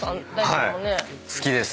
好きです。